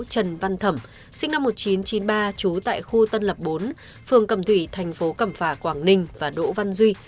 trần văn thẩm sinh năm một nghìn chín trăm chín mươi ba trú tại khu tân lập bốn phường cẩm thủy thành phố cẩm phả quảng ninh và đỗ văn duy